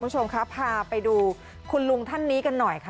ผู้ชมพาไปดูคุณลุงท่านนี้กันหน่อย